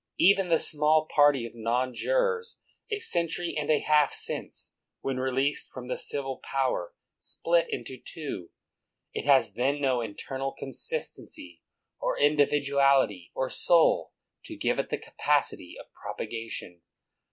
Even the small party of non jurors, a century and a half since, when released from the civil power, split into two. It has then no internal consistency, or individuality, or soul, to give it the capacity of propagation.